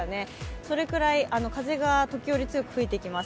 それくらい風が時折強く吹いてきます。